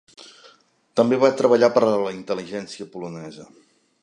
També va treballar per a la intel·ligència polonesa.